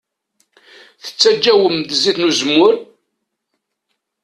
Tettaǧwem-d zzit n uzemmur?